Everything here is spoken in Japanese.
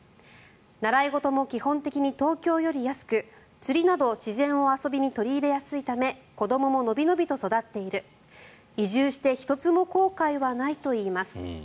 習い事も基本的に東京より安く釣りなど自然を遊びに取り入れやすいため子どもも伸び伸びと育っている移住して１つも後悔はないといいます。